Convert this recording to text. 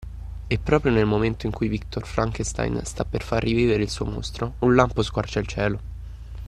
E proprio nel momento in cui Viktor Frankenstein sta per far rivivere il suo mostro un lampo squarcia il cielo